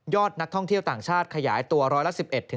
นักท่องเที่ยวต่างชาติขยายตัวร้อยละ๑๑